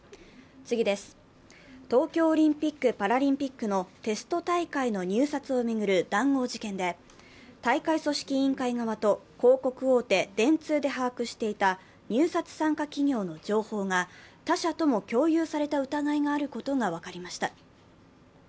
東京オリンピック・パラリンピックのテスト大会の入札を巡る談合事件で、大会組織委員会側と広告大手・電通で把握していた入札参加企業の情報が他社とも共有された疑いがあることが分かりました。